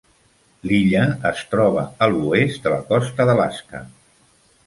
L'illa es troba a l'oest de la costa d'Alaska.